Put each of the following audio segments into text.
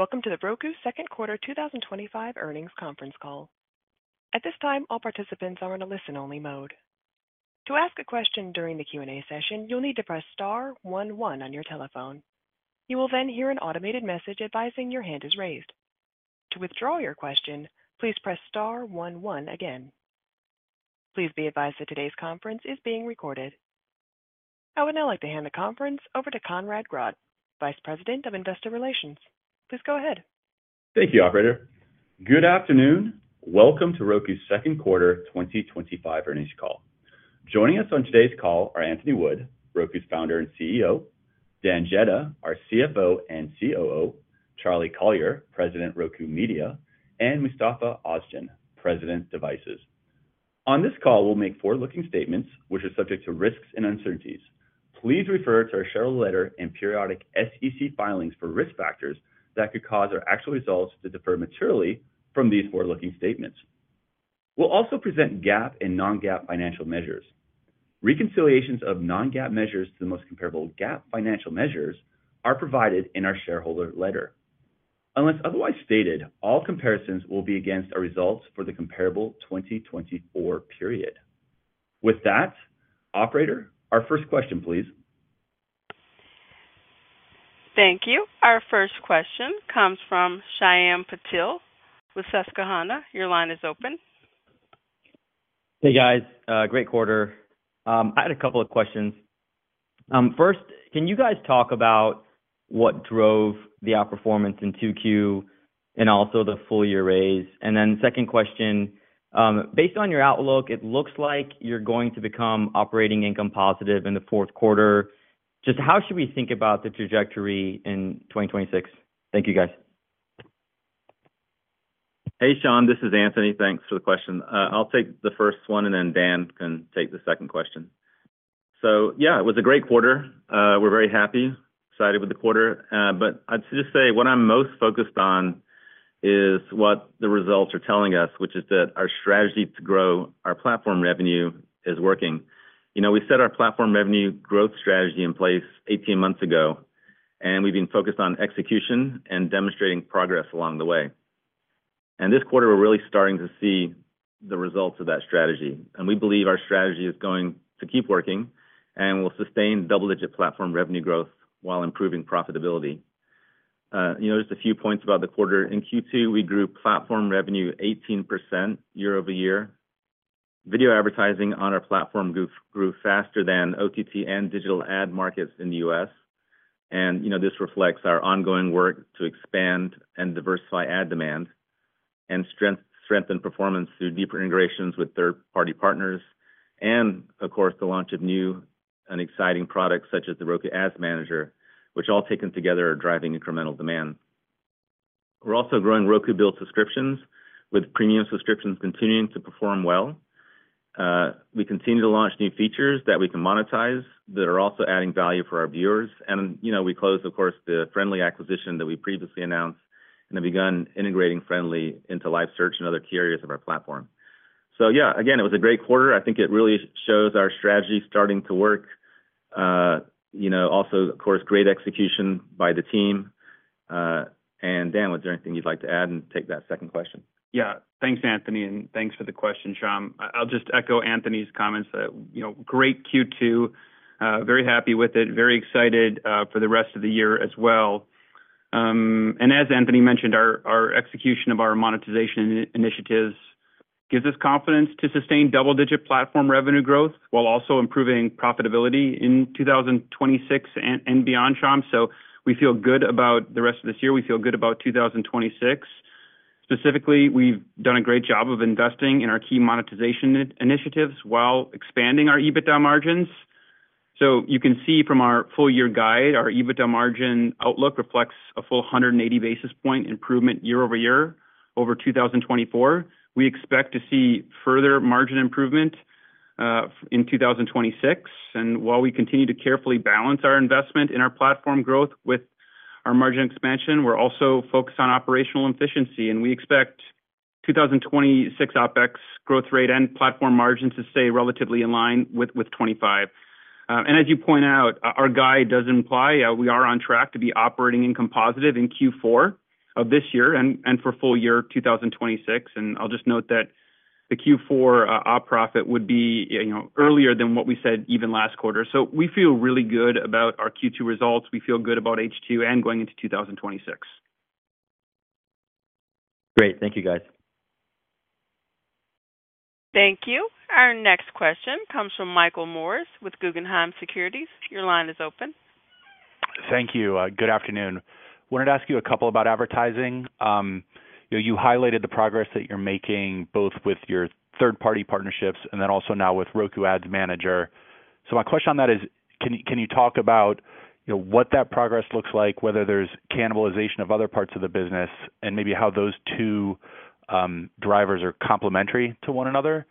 Welcome to the Roku Second Quarter 2025 Earnings Conference Call. At this time, all participants are in a listen-only mode. To ask a question during the Q&A session, you'll need to press star one one on your telephone. You will then hear an automated message advising your hand is raised. To withdraw your question, please press star one one again. Please be advised that today's conference is being recorded. I would now like to hand the conference over to Conrad Grodd, Vice President of Investor Relations. Please go ahead. Thank you, Operator. Good afternoon. Welcome to Roku's second quarter 2025 earnings call. Joining us on today's call are Anthony Wood, Roku's Founder and CEO, Dan Jedda, our CFO and COO, Charlie Collier, President, Roku Media, and Mustafa Ozgen, President, Devices. On this call, we'll make forward-looking statements, which are subject to risks and uncertainties. Please refer to our shareholder letter. Periodic SEC filings for risk factors. Could cause our actual results to differ materially from these forward-looking statements. will also present GAAP and non-GAAP financial measures. Reconciliations of non-GAAP measures to the. Most comparable GAAP financial measures are provided. In our shareholder letter. Unless otherwise stated, all comparisons will be. Against our results for the comparable 2024. Period with that operator. Our first question, please. Thank you. Our first question comes from Shyam Patil with Susquehanna. Your line is open. Hey guys, great quarter. I had a couple of questions. First, can you guys talk about what? Drove the outperformance in Q2 and also. The full year raise? Second question. Based on your outlook, it looks like. You're going to become operating income positive in the fourth quarter. Just how should we think about the trajectory in 2026? Thank you guys. Hey Shyam, this is Anthony. Thanks for the question. I'll take the first one and then Dan can take the second question. Yeah, it was a great quarter. We're very happy, excited with the quarter. I'd just say what I'm most focused on is what the results are telling us, which is that our strategy to grow our platform revenue is working. You know, we set our platform revenue growth strategy in place 18 months ago and we've been focused on execution and demonstrating progress along the way. This quarter we're really starting to see the results of that strategy. We believe our strategy is going to keep working and will sustain double digit platform revenue growth while improving profitability. Just a few points about the quarter. In Q2, we grew platform revenue 18% year-over-year. Video advertising on our platform grew faster than OTT and digital ad markets in the U.S., and this reflects our ongoing work to expand and diversify ad demand and strengthen performance through deeper integrations with third-party partners and of course the launch of new exciting products such as the Roku Ads Manager, which all taken together are driving incremental demand. We're also growing Roku Build subscriptions, with premium subscriptions continuing to perform well. We continue to launch new features that we can monetize that are also adding value for our viewers. You know, we closed of course the Frndly TV acquisition that we previously announced and have begun integrating Frndly TV into Live Search and other carriers of our platform. Yeah, again it was a great quarter. I think it really shows our strategy starting to work. Also, of course, great execution by the team. Dan, was there anything you'd like to add and take that second question? Yeah, thanks Anthony. Thanks for the question, Shyam. I'll just echo Anthony's comments. You know, great Q2. Very happy with it, very excited for the rest of the year as well. As Anthony mentioned, our execution of our monetization initiatives gives us confidence to sustain double digit platform revenue growth while also improving profitability in 2026 and beyond, Shaum. We feel good about the rest of this year. We feel good about 2026. Specifically. We've done a great job of investing in our key monetization initiatives while expanding our EBITDA margins. You can see from our full year guide, our EBITDA margin outlook reflects a full 180 basis point improvement year over year. Over 2024, we expect to see further margin improvement in 2026. While we continue to carefully balance our investment in our platform growth with our margin expansion, we're also focused on operational efficiency, and we expect 2026 OpEx growth rate and platform margins to stay relatively in line with 2025. As you point out, our guide does imply we are on track to be operating income positive in Q4 of this year and for full year 2026. I'll just note that the Q4 op profit would be, you know, earlier than what we said even last quarter. We feel really good about our Q2 results. We feel good about H2 and going into 2026. Great. Thank you, guys. Thank you. Our next question comes from Michael Morris with Guggenheim Securities. Your line is open. Thank you. Good afternoon. Wanted to ask you a couple about advertising. You highlighted the progress that you're making. Both with your third-party partnerships and then also now with Roku Ads Manager, my question on that is can you talk about what that progress looks like? Whether there's cannibalization of other parts of the business and maybe how those two drivers are complementary to one another.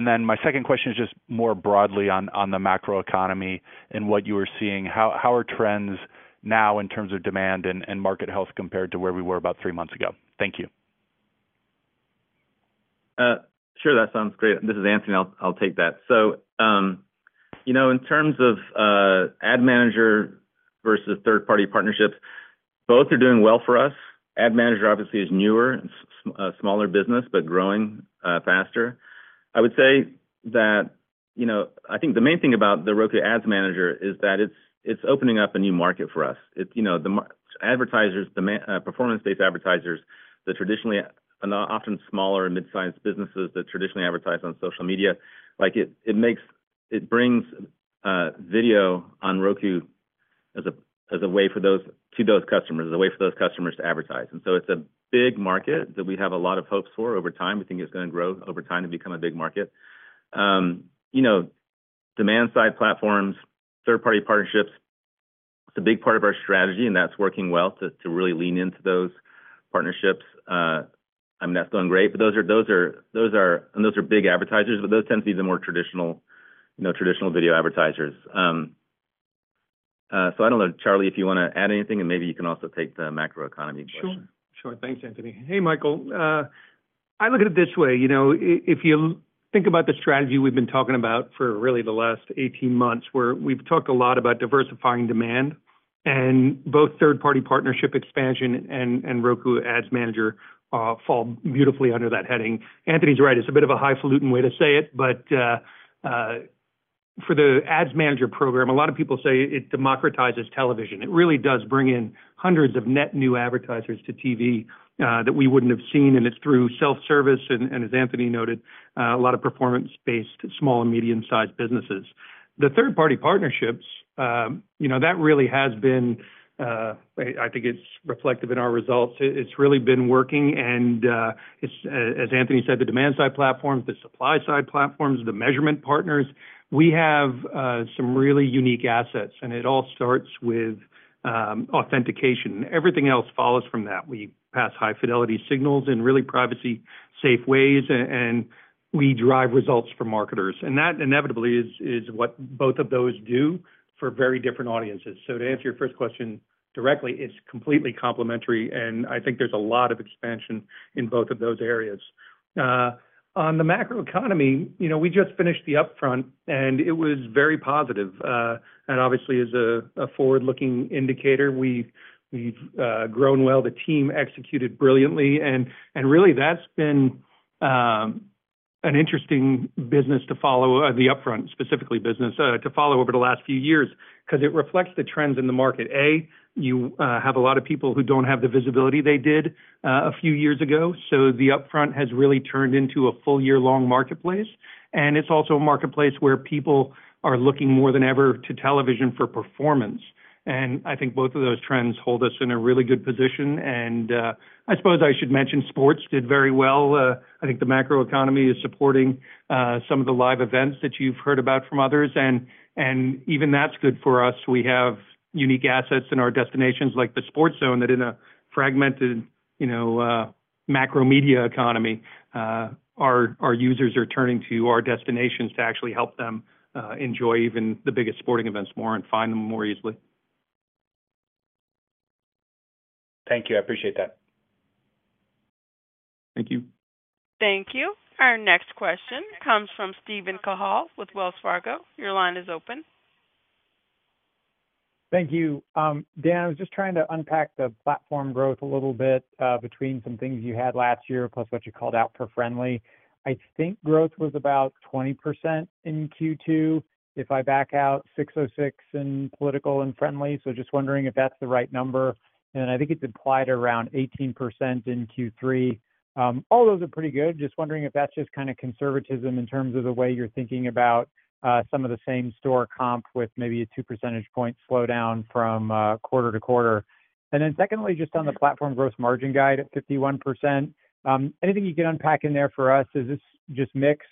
My second question is just more broadly on the macro economy and what you are seeing. How are trends now in terms of demand and market health compared to where we were about three months ago? Thank you. Sure. That sounds great. This is Anthony. I'll take that. In terms of Ads Manager versus third-party partnerships, both are doing well for us. Ads Manager obviously is a newer, smaller business but growing faster. I would say that the main thing about the Roku Ads Manager is that it's opening up a new market for us. The advertisers demand performance-based advertisers. The traditionally often smaller, mid-sized businesses that traditionally advertise on social media, it brings video on Roku as a way for those customers to advertise. It's a big market that we have a lot of hopes for over time. We think it's going to grow over time to become a big market. Demand-side platforms, third-party partnerships, it's a big part of our strategy and that's working well to really lean into those partnerships. That's going great, but those are big advertisers. Those tend to be the more traditional video advertisers. I don't know, Charlie, if you want to add anything and maybe you can also take the macro economy question. Sure, sure. Thanks, Anthony. Hey, Michael, I look at it this way, you know, if you think about the strategy we've been talking about for really the last 18 months where we've talked a lot about diversifying demand and both third-party partnership expansion and Roku Ads Manager fall beautifully under that heading. Anthony's right. It's a bit of a highfalutin way to say it, but for the Ads Manager program, a lot of people say it democratizes television. It really does bring in hundreds of net new advertisers to TV that we wouldn't have seen. It's through self-service and as Anthony noted, a lot of performance-based small and medium-sized businesses. The third-party partnerships, you know, that really has been, I think it's reflective in our results. It's really been working. As Anthony said, the demand-side platforms, the supply-side platforms, the measurement partners, we have some really unique assets and it all starts with authentication. Everything else follows from that. We pass high-fidelity signals in really privacy-safe ways and we drive results for marketers and that inevitably is what both of those do for very different audiences. To answer your first question directly, it's completely complementary and I think there's a lot of expansion in both of those areas. On the macro economy, you know, we just finished the upfront and it was very positive and obviously as a forward-looking indicator we've grown well. The team executed brilliantly and really that's been an interesting business to follow. The upfront specifically has been an interesting business to follow over the last few years because it reflects the trends in the market. A, you have a lot of people. Who don't have the visibility they did. A few years ago, the upfront has really turned into a full year long marketplace, and it's also a marketplace where people are looking more than ever to television for performance. I think both of those trends hold us in a really good position. I suppose I should mention sports did very well. I think the macro economy is supporting some of the live events that you've heard about from others, and even that's good for us. We have unique assets in our destinations like the Roku Sports Zone. In a fragmented macro media economy, our users are turning to our destinations to actually help them enjoy even the biggest sporting events more and find them more easily. Thank you, I appreciate that. Thank you. Thank you. Our next question comes from Steven Cahall with Wells Fargo. Your line is open. Thank you, Dan. I was just trying to unpack the big platform growth a little bit. Between some things you had last year, plus what you called out for Frndly TV. I think growth was about 20% in Q2 if I back out 606 and political and Frndly TV. I think it's implied around 18% in Q3. All those are pretty good. Just wondering if that's just kind of conservatism in terms of the way you're thinking about some of the same store. Comp with maybe a 2% point. Slope down from quarter to quarter. Secondly, just on the platform. Gross margin guide at 51%, anything you can unpack in there for us? Is this just mix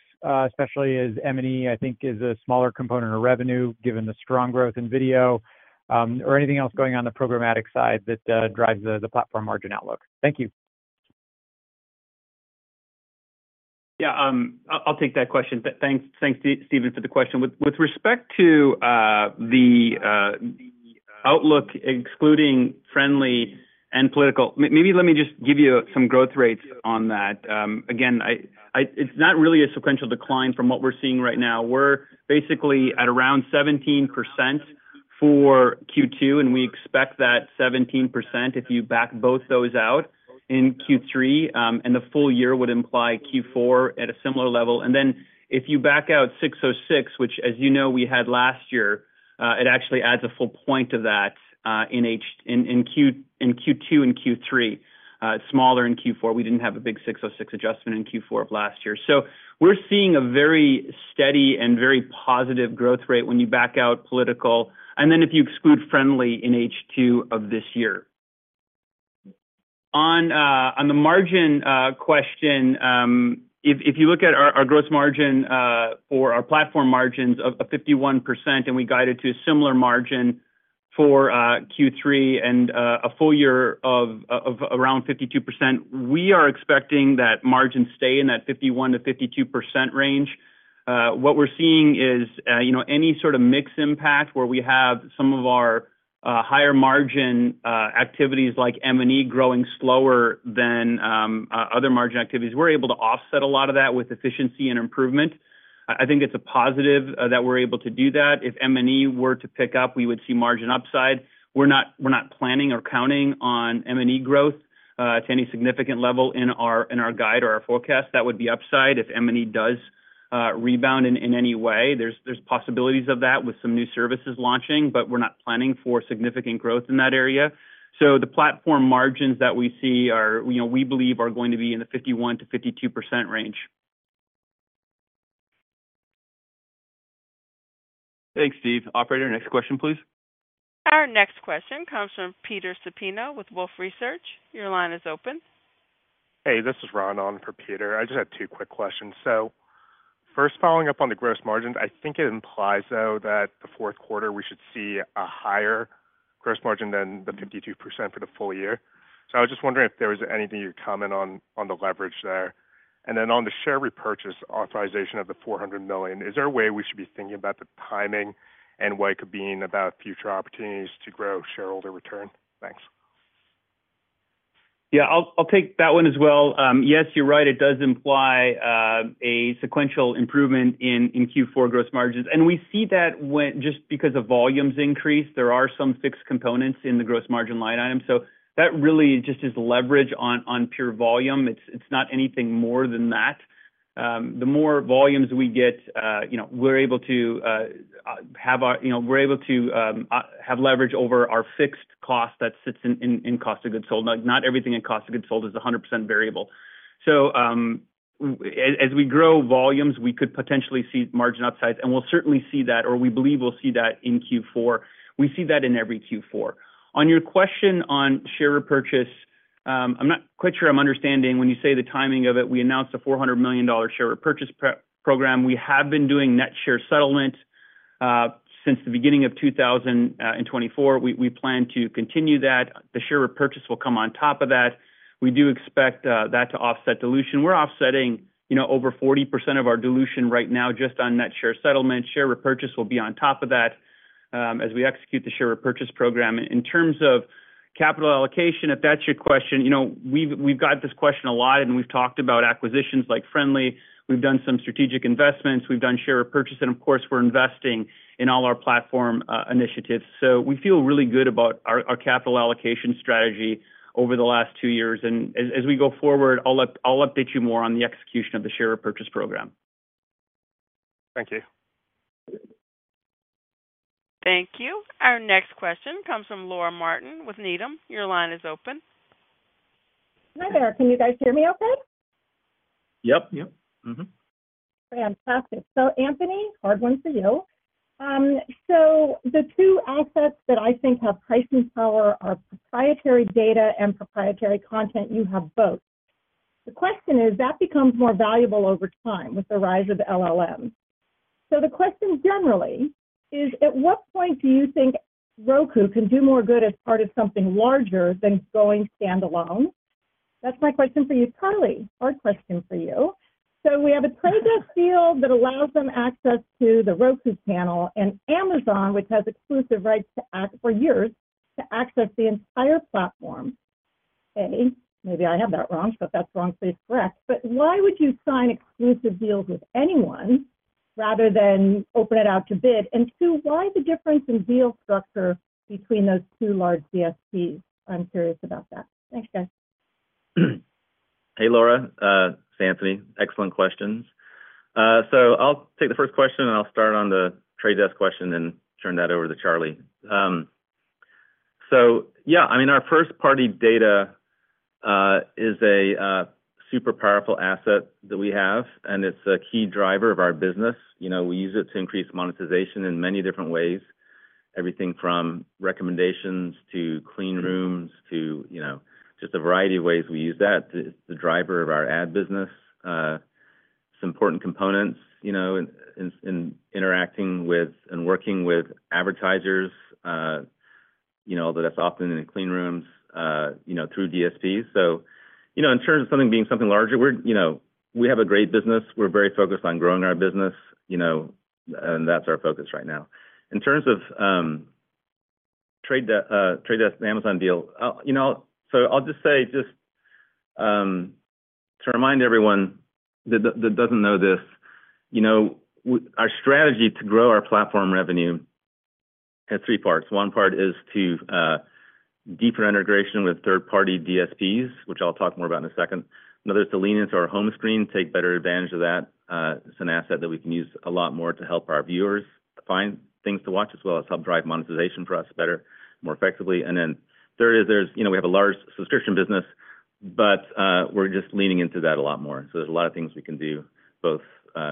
especially as media and entertainment, I think, is a smaller component of revenue given the strong growth in video or anything else going on the programmatic side that drives the platform margin outlook. Thank you. Yeah, I'll take that question, thanks. Thanks, Steven, for the question. With respect to the outlook excluding Frndly TV and political, maybe let me just give you some growth rates on that. Again, it's not really a sequential decline from what we're seeing right now. We're basically at around 17% for Q2, and we expect that 17%. If you back both those out in Q3 and the full year, it would imply Q4 at a similar level. If you back out 606, which as you know, we had last year, it actually adds a full point of that in Q2 and Q3, smaller in Q4. We didn't have a big 606 adjustment in Q4 of last year. We're seeing a very steady and very positive growth rate when you back out political. If you exclude Frndly TV in H2 of this year, on the margin question, if you look at our gross margin for our platform margins of 51%, and we guided to a similar margin for Q3 and a full year of around 52%, we are expecting that margins stay in that 51% to 52% range. What we're seeing is any sort of mix impact where we have some of our higher margin activities like media and entertainment growing slower than other margin activities. We're able to offset a lot of that with efficiency and improvement. I think it's a positive that we're able to do that. If media and entertainment were to pick up, we would see margin upside. We're not planning or counting on media and entertainment growth to any significant level in our guide or our forecast; that would be upside. If media and entertainment does rebound in any way, there's possibilities of that with some new services launching, but we're not planning for significant growth in that area. The platform margins that we see are, we believe, going to be in the 51% to 52% range. Thanks, Steve. Next question, please. Our next question comes from Peter Supino with Wolfe Research. Your line is open. Hey, this is Ron on for Peter. I just had two quick questions. First, following up on the gross margins, I think it implies though that the fourth quarter we should see a higher gross margin than the 52% for the full year. I was just wondering if there was anything you could comment on the leverage there, and then on the share repurchase authorization of the $400 million. Is there a way we should be thinking about the timing and what it could be about future opportunities to grow shareholder return. Thanks. Yeah, I'll take that one as well. Yes, you're right. It does imply a sequential improvement in Q4 gross margins. We see that just because of volumes increase, there are some fixed components in the gross margin line item. That really just is leverage on pure volume. It's not anything more than that. The more volumes we get, we're able to have leverage over our fixed cost that sits in cost of goods sold. Not everything in cost of goods sold is 100% variable. As we grow volumes, we could potentially see margin upsides, and we'll certainly see that, or we believe we'll see that in Q4. We see that in every Q4. On your question on share repurchase, I'm not quite sure I'm understanding when you say the timing of it. We announced a $400 million share repurchase program. We have been doing net share settlement since the beginning of 2024. We plan to continue that. The share repurchase will come on top of that. We do expect that to offset dilution. We're offsetting over 40% of our dilution right now just on net share settlement. Share repurchase will be on top of that as we execute the share repurchase program. In terms of capital allocation, if that's your question, we've got this question a lot, and we've talked about acquisitions like Frndly TV. We've done some strategic investments, we've done share repurchase, and of course, we're investing in all our platform initiatives. We feel really good about our capital allocation strategy over the last two years. As we go forward, I'll update you more on the execution of the share repurchase program. Thank you. Thank you. Our next question comes from Laura Martin with Needham. Your line is open. Hi there. Can you guys hear me okay? Yep, yep. Fantastic. Anthony, hard one for you. The two assets that I think have pricing power are proprietary data and proprietary content. You have both. The question is that becomes more valuable over time with the rise of LLMs. At what point do you think Roku can do more good as part of something larger than going standalone? That's my question for you, Charlie. Hard question for you. We have a trades field that allows them access to the Roku panel and Amazon, which has exclusive rights to act for years to access the entire platform. Maybe I have that wrong. If that's wrong, please correct. Why would you sign exclusive deals with anyone rather than open it out to bid? Why the difference in deal structure between those two large DSPs? I'm curious about that. Thanks, guys. Hey, Laura, it's Anthony. Excellent questions. I'll take the first question. I'll start on The Trade Desk question and turn that over to Charlie. Our first party data is a super powerful asset that we have and it's a key driver of our business. We use it to increase monetization in many different ways, everything from recommendations to clean rooms to a variety of ways we use that. It's the driver of our ad business. Important components in interacting with and working with advertisers, although that's often in clean rooms through DSPs. In terms of something being something larger, we have a great business. We're very focused on growing our business, and that's our focus right now in terms of the Trade Desk Amazon deal. I'll just say, just to remind everyone that doesn't know this, our strategy to grow our platform revenue has three parts. One part is deeper integration with third-party DSPs, which I'll talk more about in a second. Another is to lean into our home screen, take better advantage of that. It's an asset that we can use a lot more to help our viewers find things to watch as well as help drive monetization for us better, more effectively. Third, we have a large subscription business but we're just leaning into that a lot more. There are a lot of things we can do both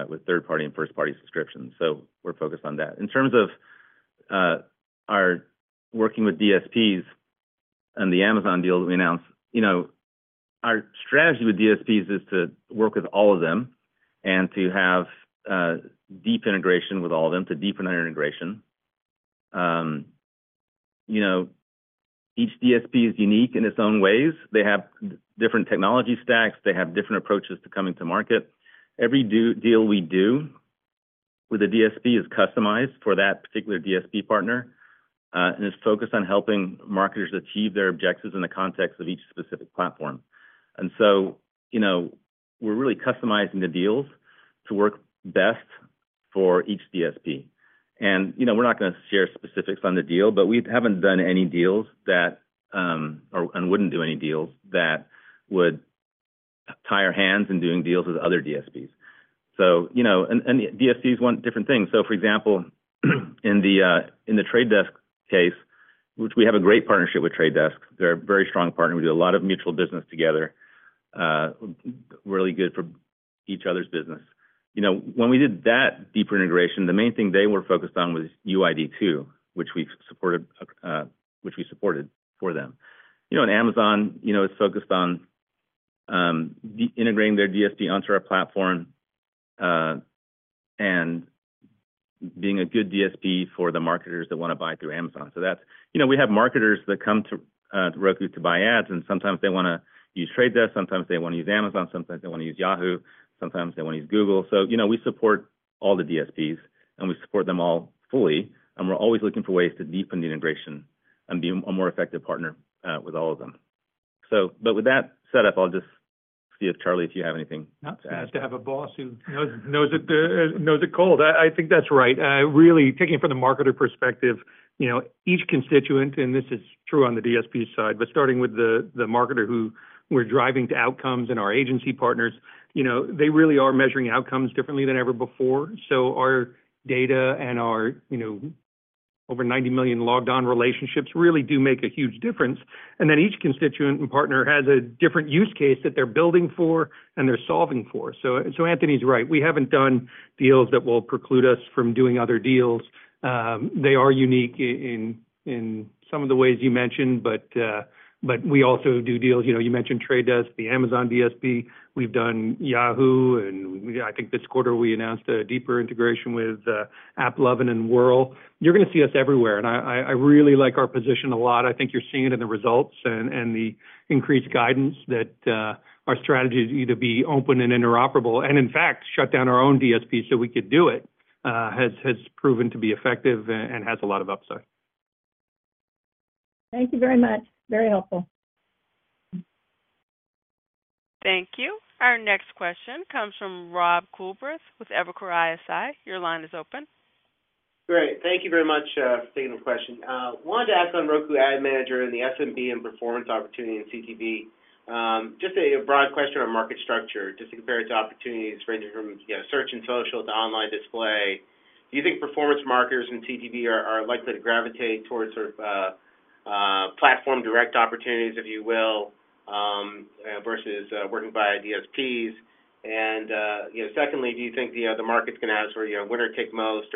with third-party and first-party subscriptions. We're focused on that in terms of our working with DSPs and the Amazon deal that we announced. Our strategy with DSPs is to work with all of them and to have deep integration with all of them to deepen our integration. Each DSP is unique in its own ways. They have different technology stacks, they have different approaches to coming to market. Every deal we do with the DSP is customized for that particular DSP partner and is focused on helping marketers achieve their objectives in the context of each specific platform. We're really customizing the deals to work best for each DSP. We're not going to share specifics on the deal, but we haven't done any deals that and wouldn't do any deals that would tie our hands in doing deals with other DSPs. DSPs want different things. For example, in The Trade Desk case, which we have a great partnership with The Trade Desk, they're a very strong partner. We do a lot of mutual business together. Really good for each other's business. When we did that deeper integration, the main thing they were focused on was UID 2.0, which we've supported for them, and Amazon is focused on integrating their DSP onto our platform and being a good DSP for the marketers that want to buy through Amazon. We have marketers that come to Roku to buy ads and sometimes they want to use The Trade Desk, sometimes they want to use Amazon, sometimes they want to use Yahoo, sometimes they want to use Google. We support all the DSPs and we support them all fully, and we're always looking for ways to deepen the integration and be a more effective partner with all of them. With that set up, I'll just see if Charlie, if you have anything. Nice to have a boss who knows it cold. I think that's right. Really taking it from the marketer perspective, each constituent, and this is true on the DSP side, but starting with the marketer who we're driving to outcomes and our agency partners, they really are measuring outcomes differently than ever before. Our data and our over 90 million logged on relationships really do make a huge difference. Each constituent and partner has a different use case that they're building for and they're solving for. Anthony's right. We haven't done deals that will preclude us from doing other deals. They are unique in some of the ways you mentioned. We also do deals, you mentioned The Trade Desk, the Amazon DSP. We've done Yahoo, and I think this quarter we announced a deeper integration with AppLovin and World. You're going to see us everywhere and I really like our position a lot. I think you're seeing it in the results and the increased guidance that our strategy to be open and interoperable, and in fact shut down our own DSP so we could do it, has proven to be effective and has a lot of upside. Thank you very much. Very helpful. Thank you. Our next question comes from Rob Coolbrith with Evercore ISI. Your line is open. Great. Thank you very much for taking the question. Wanted to ask on Roku Ads Manager and the SMB and performance opportunity in CTV. Just a broad question on market structure, just to compare it to opportunities ranging from search and social to online display. Do you think performance marketers in CTV are likely to gravitate towards platform direct opportunities, if you will, versus working by DSPs? Secondly, do you think the market's Going to have winner take most.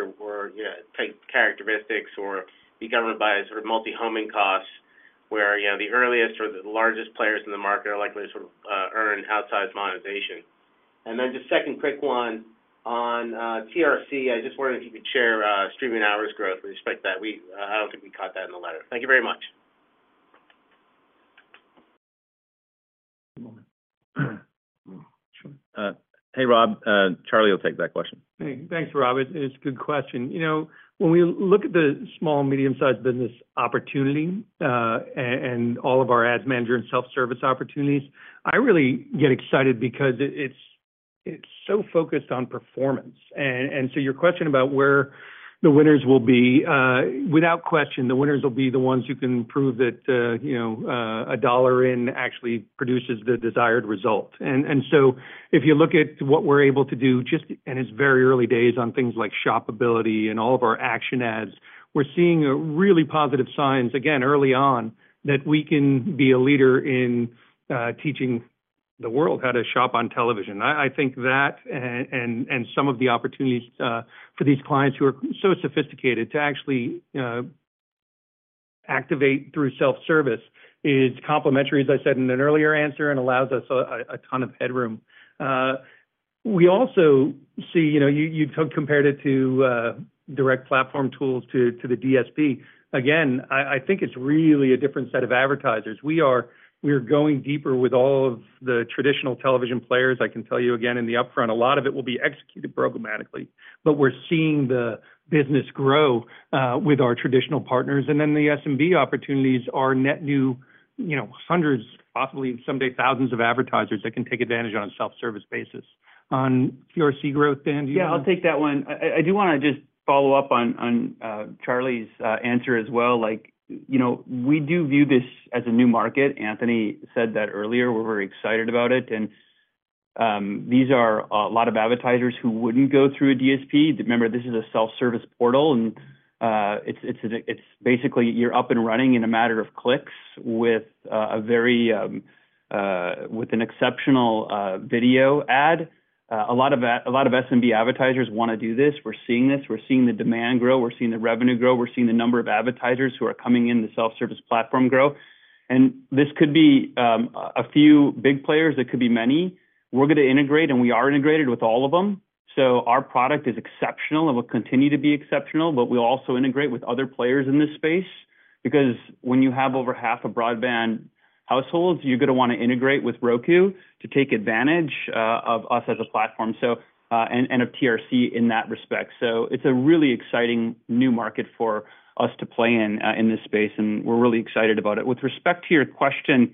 Take characteristics or be governed by multi-homing costs, where the earliest or the largest players in the market are likely to sort of earn outsized monetization. Just a second quick one on The Roku Channel. I just wondered if you could share streaming hours growth with respect to that. I don't think we caught that in the letter. Thank you very much. Hey Rob, Charlie will take that question. Thanks, Rob. It's a good question. You know, when we look at the small and medium-sized business opportunity and all of our Roku Ads Manager and self-service opportunities, I really get excited because it's so focused on performance, and your question about where the winners will be, without question, the winners will be the ones who can prove that a dollar in actually produces the desired result. If you look at what we're able to do just in its very early days on things like shoppability and all of our action ads, we're seeing really positive signs, again early on, that we can be a leader in teaching the world how to shop on television. I think that and some of the opportunities for these clients who are so sophisticated to actually activate through self-service is complementary, as I said in an earlier answer, and allows us a ton of headroom. We also see, you know, you compared it to direct platform tools to the DSP. Again, I think it's really a different set of advertisers. We are going deeper with all of the traditional television players. I can tell you again in the upfront, a lot of it will be executed programmatically, but we're seeing the business grow with our traditional partners, and then the SMB opportunities are net new, you know, hundreds, possibly someday thousands of advertisers that can take advantage on a self-service basis on QRC growth. Dan? Yeah, I'll take that one. I do want to just follow up on Charlie's answer as well. Like you know, we do view this as a new market. Anthony said that earlier. We're very excited about it. These are a lot of advertisers who wouldn't go through a DSP. Remember, this is a self-service portal and it's basically you're up and running in a matter of clicks with an exceptional video ad. A lot of SMB advertisers want to do this. We're seeing this, we're seeing the demand grow, we're seeing the revenue grow, we're seeing the number of advertisers who are coming in the self-service platform grow. This could be a few big players. It could be many. We're going to integrate and we are integrated with all of them. Our product is exceptional and will continue to be exceptional. We'll also integrate with other players in this space because when you have over half of broadband households, you're going to want to integrate with Roku to take advantage of us as a platform and of The Roku Channel in that respect. It's a really exciting new market for us to play in in this space and we're really excited about it. With respect to your question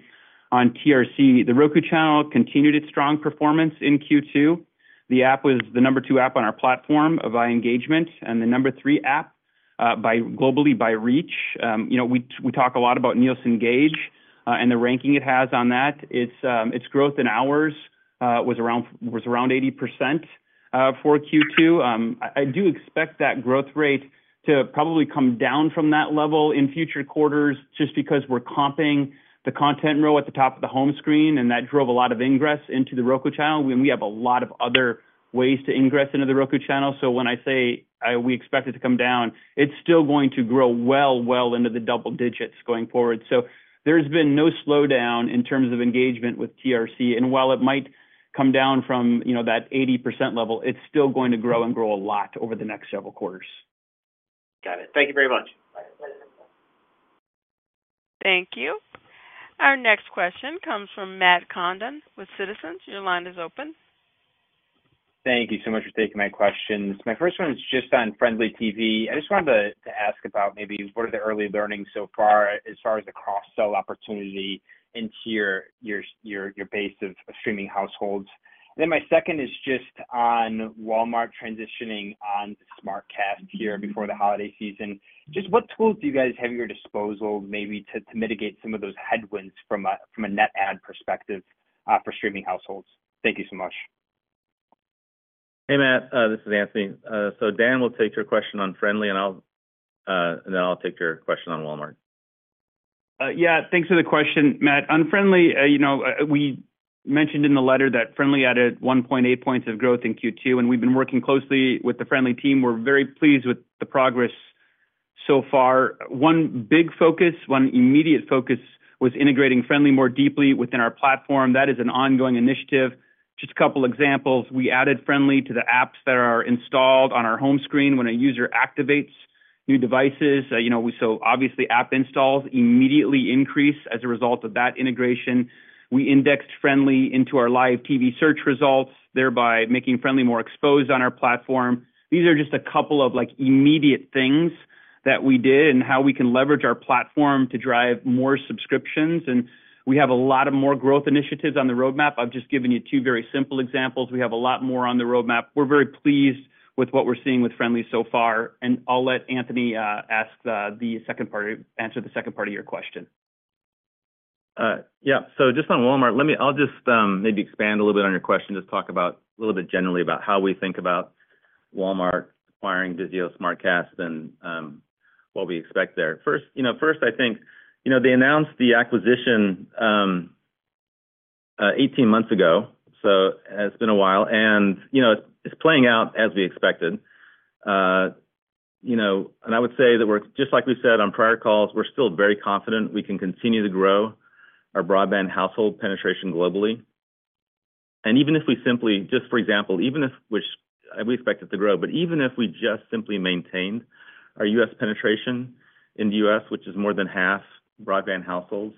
on The Roku Channel, The Roku Channel continued its strong performance in Q2. The app was the number two app on our platform of engagement and the number three app globally by reach. You know, we talk a lot about Nielsen Gauge and the ranking it has on that. Its growth in hours was around 80% for Q2. I do expect that growth rate to probably come down from that level in future quarters just because we're comping the content row at the top of the home screen. That drove a lot of ingress into The Roku Channel when we have a lot of other ways to ingress into The Roku Channel. When I say we expect it to come down, it's still going to grow well, well into the double digits going forward. There's been no slowdown in terms of engagement with The Roku Channel. While it might come down from that 80% level, it's still going to grow and grow a lot over the next several quarters. Got it. Thank you very much. Thank you. Our next question comes from Matt Condon with Citizens. Your line is open. Thank you so much for taking my questions. My first one is just on Frndly TV. I just wanted to ask about maybe what are the early learnings so far as far as the cross sell opportunity into your base of streaming households? My second is just on Walmart transitioning on SmartCast here before the holiday season. Just what tools do you guys have at your disposal maybe to mitigate some of those headwinds from a net add perspective for streaming households. Thank you so much. Hey, Matt, this is Anthony. Dan will take your question on Frndly TV, and then I'll take your question on Walmart. Yeah, thanks for the question, Matt. On Frndly TV. You know, we mentioned in the letter that Frndly TV added 1.8 points of growth in Q2 and we've been working closely with the Frndly TV team. We're very pleased with the progress so far. One big focus, one immediate focus was integrating Frndly TV more deeply within our platform. That is an ongoing initiative. Just a couple examples. We added Frndly TV to the apps that are installed on our home screen when a user activates new devices. Obviously, app installs immediately increase as a result of that integration. We indexed Frndly TV into our live TV search results, thereby making Frndly TV more exposed on our platform. These are just a couple of immediate things that we did and how we can leverage our platform to drive more subscriptions. We have a lot more growth initiatives on the roadmap. I've just given you two very simple examples. We have a lot more on the roadmap. We're very pleased with what we're seeing with Frndly TV so far. I'll let Anthony answer the second part of your question. Yeah, just on Walmart, I'll maybe expand a little bit on your question and talk a little bit generally about how we think about Walmart acquiring Vizio SmartCast and what we expect there. First, I think they announced the acquisition 18 months ago. It's been a while and it's playing out as we expected. I would say that just like we said on prior calls, we're still very confident we can continue to grow our broadband household penetration globally. Even if we simply, for example, even if we expect it to grow, but even if we just simply maintained our U.S. penetration, which is more than half broadband households,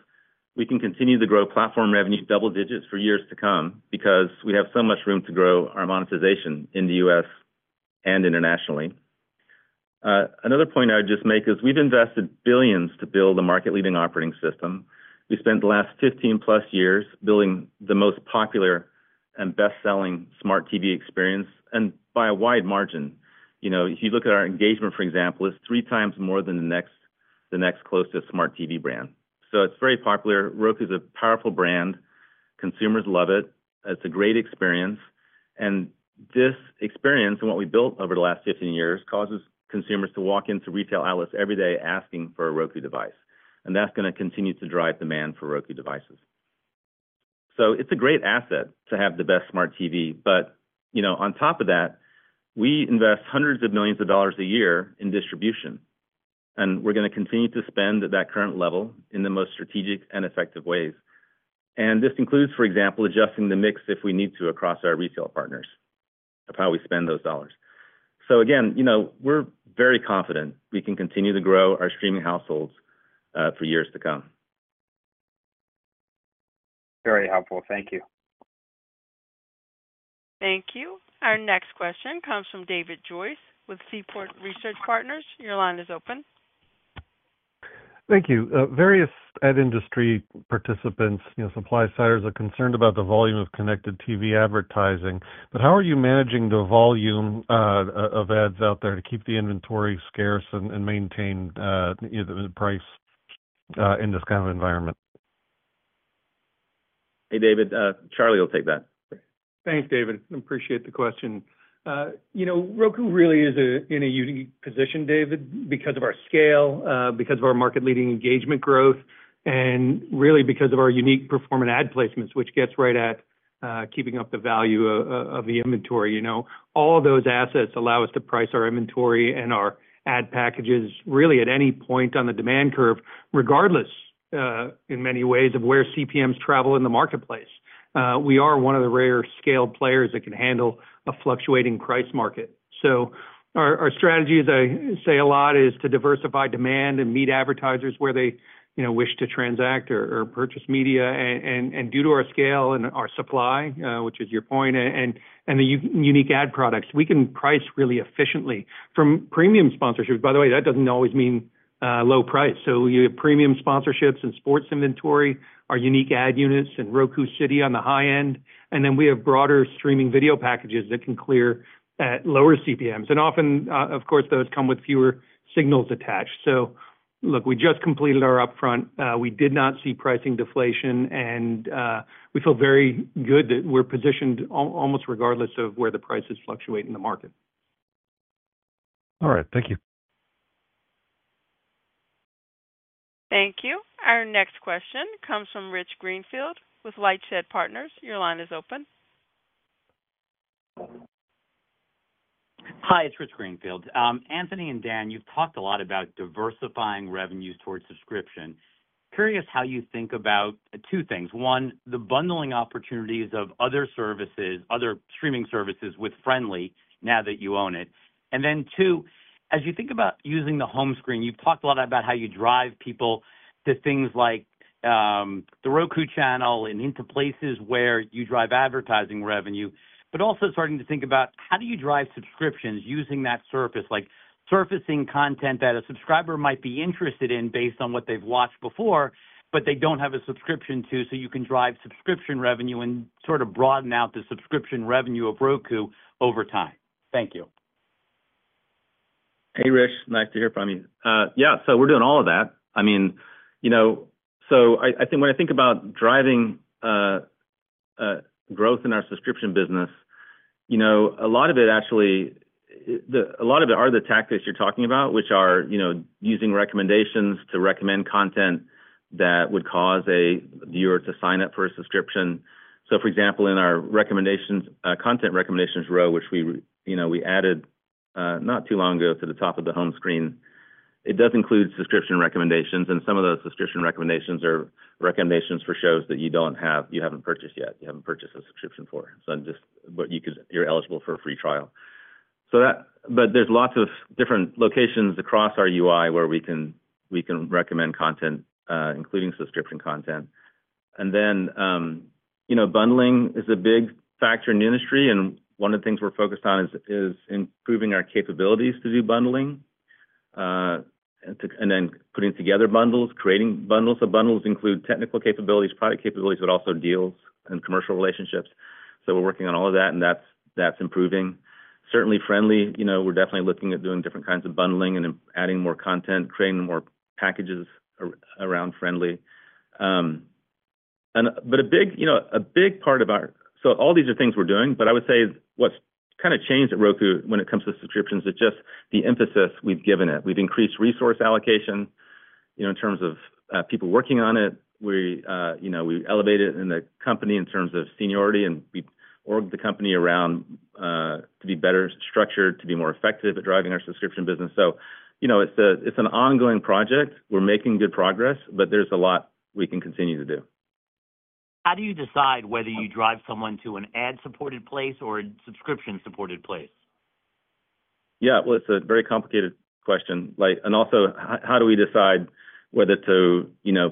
we can continue to grow platform revenue double digits for years to come because we have so much room to grow our monetization in the U.S. and internationally. Another point I would make is we've invested billions to build a market-leading operating system. We spent the last 15 plus years building the most popular and best-selling smart TV experience. By a wide margin, if you look at our engagement, for example, it's three times more than the next closest smart TV brand. It's very popular. Roku is a powerful brand. Consumers love it. It's a great experience. This experience and what we've built over the last 15 years causes consumers to walk into retail outlets every day asking for a Roku device. That's going to continue to drive demand for Roku devices. It's a great asset to have the best smart TV. On top of that, we invest hundreds of millions of dollars a year in distribution and we're going to continue to spend at that current level in the most strategic and effective ways. This includes, for example, adjusting the mix if we need to across our retail partners of how we spend those dollars. Again, we're very confident we can continue to grow our streaming households for years to come. Very helpful. Thank you. Thank you. Our next question comes from David Joyce with Seaport Research Partners. Your line is open. Thank you. Various ad industry participants, supply siders are concerned about the volume of connected TV advertising. How are you managing the volume of ads out there to keep the inventory scarce and maintain price in this kind of environment? Hey, David. Charlie will take that. Thanks, David. Appreciate the question. Roku really is in a unique position, David, because of our scale, because of our market-leading engagement growth, and really because of our unique performant ad placements, which gets right at keeping up the value of the inventory. All of those assets allow us to price our inventory and our ad packages really at any point on the demand curve, regardless in many ways of where CPMs travel in the marketplace. We are one of the rare scale players that can handle a fluctuating price market. Our strategy, as I say a lot, is to diversify demand and meet advertisers where they wish to transact or purchase media. Due to our scale and our supply, which is your point, and the unique ad products, we can price really efficiently from premium sponsorships. By the way, that doesn't always mean low price. You have premium sponsorships and sports inventory, our unique ad units and Roku. City on the high end. We have broader streaming video packages that can clear at lower CPMs, and often, of course, those come with fewer signals attached. Look, we just completed our upfront. We did not see pricing deflation, and we feel very good that we're positioned almost regardless of where the prices fluctuate in the market. All right, thank you. Thank you. Our next question comes from Rich Greenfield with LightShed Partners. Your line is open. Hi, it's Rich Greenfield. Anthony and Dan, you've talked a lot. About diversifying revenues towards subscription. Curious how you think about two things. One, the bundling opportunities of other services, other streaming services with Frndly TV now that you own it. Two, as you think about using the home screen, you've talked a lot about how you drive people to things like The Roku Channel and into places where you drive advertising revenue, but also starting to think about how you drive subscriptions using that surface, like surfacing content that a subscriber might be interested in based on what they've watched before but they don't have a subscription to. You can drive subscription revenue and sort of broaden out the subscription revenue of Roku over time. Thank you. Hey Rich. Nice to hear from you. Yeah, we're doing all of that. I mean, you know, I think when I think about driving growth in our subscription business, a lot of it, actually, a lot of it are the tactics you're talking about, which are using recommendations to recommend content that would cause a viewer to sign up for a subscription. For example, in our recommendations content recommendations row, which we added not too long ago to the top of the home screen, it does include subscription recommendations. Some of those subscription recommendations are recommendations for shows that you don't have, you haven't purchased yet, you haven't purchased a subscription for, you're eligible for a free trial. There are lots of different locations across our UI where we can recommend content, including subscription content. Bundling is a big factor in the industry. One of the things we're focused on is improving our capabilities to do bundling and then putting together bundles, creating bundles. Bundles include technical capabilities, product capabilities, but also deals and commercial relationships. We're working on all of that and that's improving. Certainly Frndly TV, we're definitely looking at doing different kinds of bundling and adding more content, creating more packages around Frndly TV, but a big part of our, all these are things we're doing. I would say what's kind of changed at Roku when it comes to subscriptions is just the emphasis we've given it. We've increased resource allocation in terms of people working on it. We elevate it in the company in terms of seniority and we org the company around to be better structured, to be more effective at driving our subscription business. It's an ongoing project. We're making good progress, but there's a lot we can continue to do. How do you decide whether you drive someone to an ad-supported place or a subscription-supported place? Yeah, it's a very complicated question and also how do we decide whether to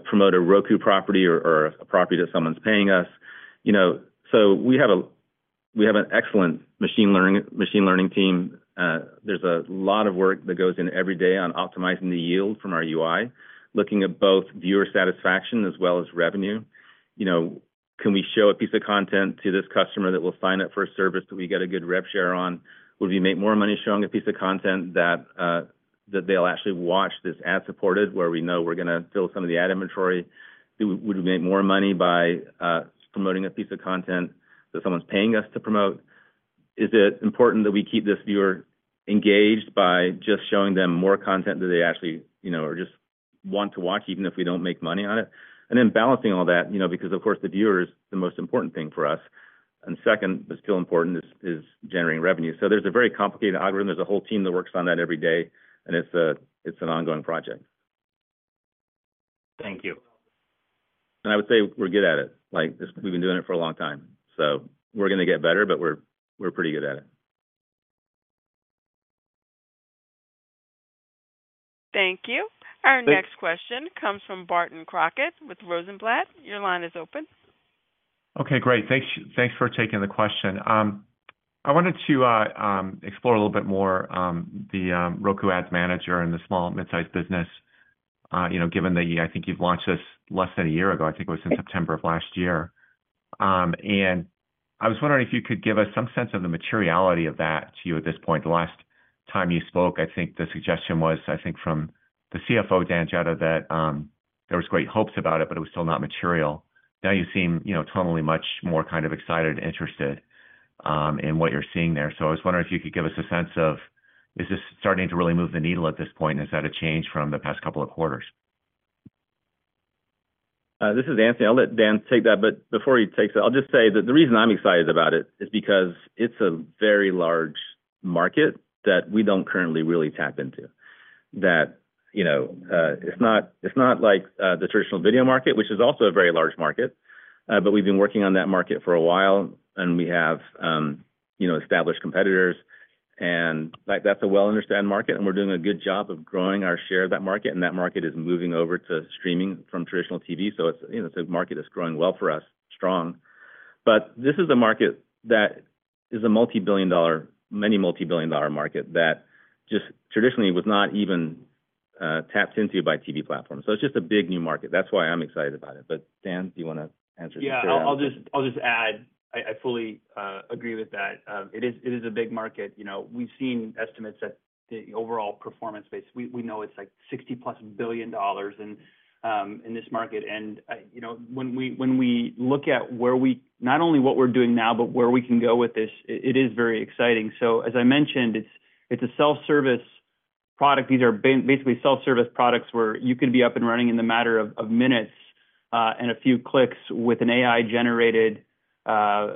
promote a Roku property or a property that someone's paying us? We have an excellent machine learning team. There's a lot of work that goes in every day on optimizing the yield from our UI, looking at both viewer satisfaction as well as revenue. Can we show a piece of content to this customer that will sign up for a service that we get a good rev share on? Would we make more money showing a piece of content that they'll actually watch that's ad supported where we know we're going to fill some of the ad inventory? Would we make more money by promoting a piece of content that someone's paying us to promote? Is it important that we keep this viewer engaged by just showing them more content that they actually just want to watch, even if we don't make money on it, and then balancing all that because of course the viewer is the most important thing for us. Second, but still important, is generating revenue. There's a very complicated algorithm, there's a whole team that works on that every day, and it's an ongoing project. Thank you. I would say we're good at it. We've been doing it for a long time. We're going to get better, but we're pretty good at it. Thank you. Our next question comes from Barton Crockett with Rosenblatt. Your line is open. Okay, great. Thanks for taking the question. I wanted to explore a little bit. More the Roku Ads Manager and the small midsize business. You know, given that I think you've launched this less than a year ago, I think it was in September of last year. I was wondering if you could give us some sense of the materiality of that to you at this point. The last time you spoke, I think the suggestion was, I think from the CFO Dan Jedda that there was great hopes about it, but it was still not material. Now you seem, you know, totally much more kind of excited and interested in what you're seeing there. I was wondering if you could give us a sense of is this starting to really move the needle at this point? Is that a change from the past couple of quarters? This is Anthony. I'll let Dan take that. Before he takes it, I'll just say that the reason I'm excited about it is because it's a very large market that we don't currently really tap into. You know, it's not like the traditional video market, which is also a very large market, but we've been working on that market for a while and we have, you know, established competitors and that's a well understood market and we're doing a good job of growing our share of that market. That market is moving over to streaming from traditional TV. It's a market that's growing well for us, strong. This is a market that is a multibillion dollar, many multibillion dollar market that just traditionally was not even tapped into by TV platform. It's just a big new market. That's why I'm excited about it. Dan, do you want to answer? Yeah, I'll just add, I fully agree with that. It is a big market. We've seen estimates that the overall performance base, we know it's like $60+ billion. In this market, and when we look at not only what we're doing now, but where we can go with this, it is very exciting. As I mentioned, it's a self-service product. These are basically self-service products where you could be up and running in a matter of minutes and a few clicks with an AI-generated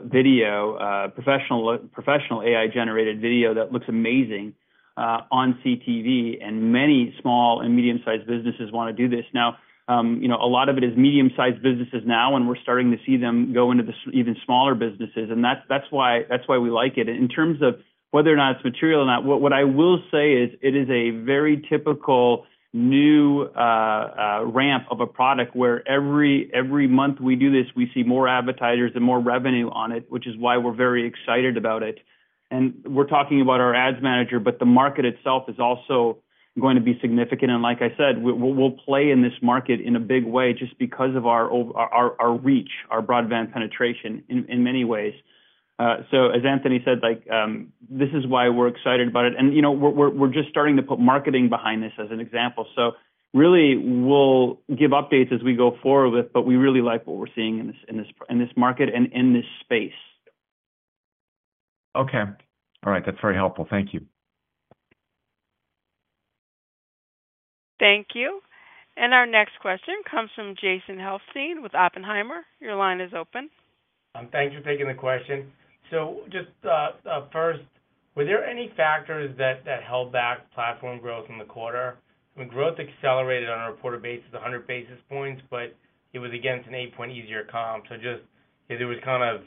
video, professional AI-generated video that looks amazing on CTV. Many small and medium-sized businesses want to do this now. A lot of it is medium-sized businesses now, and we're starting to see them go into the even smaller businesses. That's why we like it in terms of whether or not it's material or not. What I will say is it is a very typical new ramp of a product where every month we do this, we see more advertisers and more revenue on it, which is why we're very excited about it and we're talking about our Roku Ads Manager. The market itself is also going to be significant. Like I said, we'll play in this market in a big way just because of our reach, our broadband penetration in many ways. As Anthony Wood said, this is why we're excited about it and you know, we're just starting to put marketing behind this as an example. We really will give updates as we go forward with. We really like what we're seeing in this market and in this space. Okay.All right, that's very helpful. Thank you. Thank you. Our next question comes from Jason Helfstein with Oppenheimer. Your line is open. Thanks for taking the question. Were there any factors? That held back platform growth in the quarter? Growth accelerated on a reported basis, 100 basis points, but it was against an. 8-point easier comp. Was there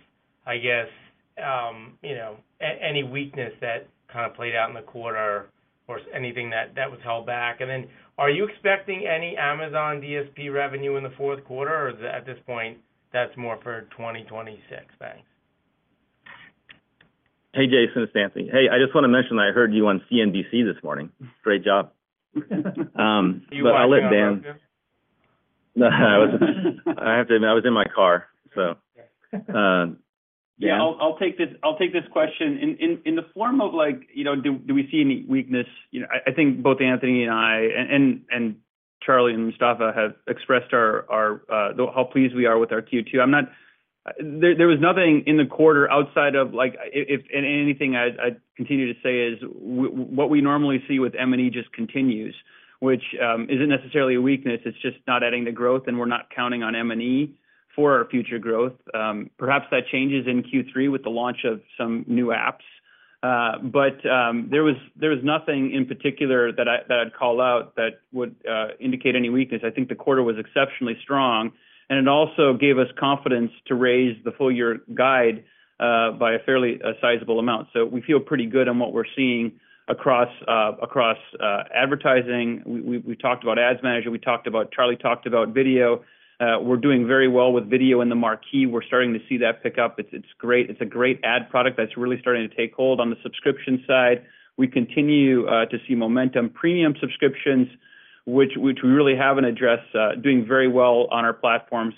any weakness that played out in the quarter or anything that was held back? Are you expecting any Amazon DSP revenue in the fourth quarter, or at this point is that more for 2026? Thanks. Hey Jason, it's Anthony. I just want to mention that I heard you on CNBC this morning. Great job. I'll let. Dan. I have to admit I was in my car. I'll take this question in the form of do we see any weakness? I think both Anthony and I and Charlie and Mustafa have expressed how pleased we are with our Q2. There was nothing in the quarter outside of if anything I continue to say is what we normally see with media and entertainment just continues, which isn't necessarily a weakness. It's just not adding the growth and we're not counting on media and entertainment for our future growth. Perhaps that changes in Q3 with the launch of some new apps, but there was nothing in particular that I'd call out that would indicate any weakness. I think the quarter was exceptionally strong and it also gave us confidence to raise the full year guide by a fairly sizable amount. We feel pretty good on what we're seeing across advertising. We talked about Roku Ads Manager, we talked about Charlie, talked about video. We're doing very well with video in the marquee. We're starting to see that pick up. It's a great ad product that's really starting to take hold. On the subscription side, we continue to see momentum. Premium subscriptions, which we really haven't addressed, are doing very well on our platform.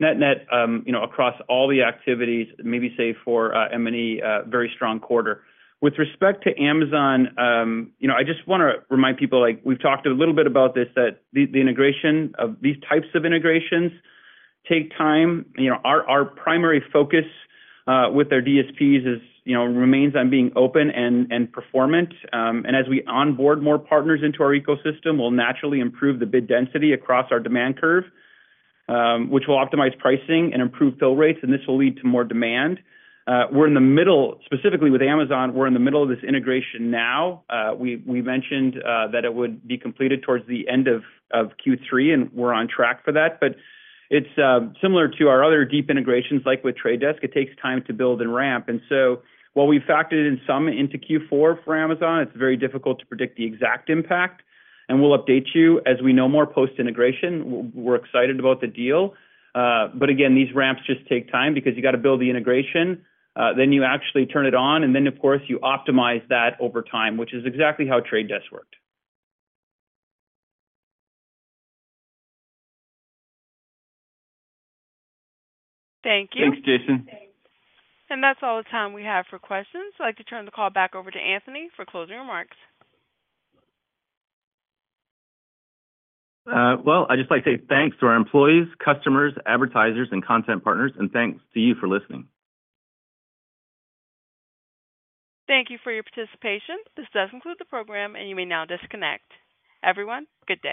Net net across all the activities, maybe say for me, very strong quarter. With respect to Amazon, I just want to remind people we've talked a little bit about this, that the integration of these types of integrations take time. Our primary focus with our demand-side platforms remains on being open and performant. As we onboard more partners into our ecosystem, we'll naturally improve the bid density across our demand curve, which will optimize pricing and improve fill rates and this will lead to more demand. We're in the middle, specifically with Amazon, we're in the middle of this integration now. We mentioned that it would be completed towards the end of Q3 and we're on track for that. It's similar to our other deep integrations like with The Trade Desk. It takes time to build and ramp. While we factored in some into Q4 for Amazon, it's very difficult to predict the exact impact. We'll update you as we know more post integration. We're excited about the deal, but again, these ramps just take time because you have to build the integration, then you actually turn it on and then of course you optimize that over time, which is exactly how The Trade Desk worked. Thank you. Thanks, Jason. That is all the time we have for questions. I'd like to turn the call back over to Anthony for closing remarks. I'd just like to say thanks to our employees, customers, advertisers, and content partners. Thanks to you for listening. Thank you for your participation. This does conclude the program. You may now disconnect, everyone. Good day.